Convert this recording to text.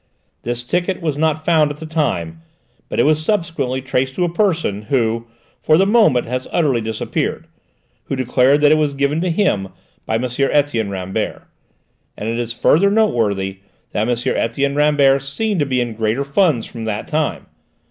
This ticket was not found at the time, but it was subsequently traced to a person, who for the moment has utterly disappeared, who declared that it was given to him by M. Etienne Rambert. And it is further noteworthy that M. Etienne Rambert seemed to be in greater funds from that time.